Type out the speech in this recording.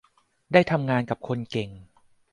ได้ทำงานกับคนเก่ง